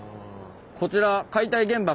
こちら解体現場